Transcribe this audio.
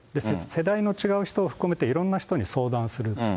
世代の違う人を含めていろんな人に相談する。